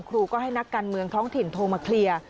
ครูก็ให้นักการเมืองท้องถิ่นโทรมาเคลียร์